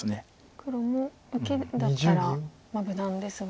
黒も受けだったら無難ですが。